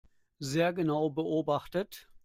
Sehr genau beobachtet.